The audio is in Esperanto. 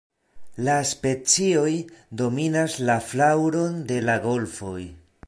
La specioj dominas la flaŭron de la golfoj.